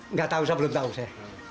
nggak tahu saya belum tahu saya